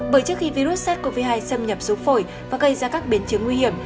bởi trước khi virus sars cov hai xâm nhập xuống phổi và gây ra các biến chứng nguy hiểm